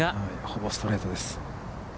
ほぼストレートです。